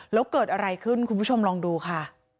แล้วเกิดอะไรขึ้นคุณผู้ชมลองดูค่ะ